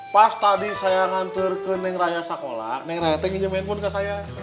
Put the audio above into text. pas tadi saya ngantur ke neng raya sekolah neng raya tenginnya handphone ke saya